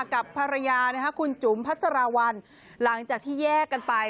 กับภรรยาคุณจุ๋มพัสราวัลหลังจากที่แยกกันไป